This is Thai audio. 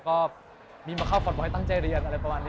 ก็มีค่าเฟาท์หมอให้ตั้งใจเรียน